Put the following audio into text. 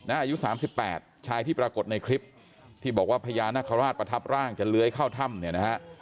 อายุ๓๘ชายที่ปรากฏในคลิปที่บอกว่าพญานาคาราชประทับร่างจะเลื้อยเข้าถ้ำเนี่ยนะฮะ